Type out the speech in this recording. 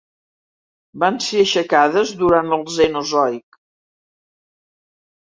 Van ser aixecades durant el Cenozoic.